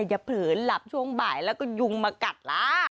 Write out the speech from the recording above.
เผลินหลับช่วงบ่ายแล้วก็ยุงมากัดล่ะ